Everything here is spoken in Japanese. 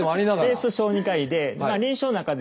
ベース小児科医で臨床の中でですね